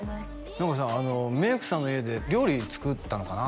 何かさメイクさんの家で料理作ったのかな？